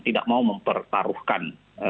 tidak mau mempertaruhkan